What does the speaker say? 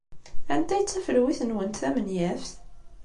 Anta ay d tafelwit-nwent tamenyaft?